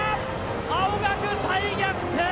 青学、再逆転！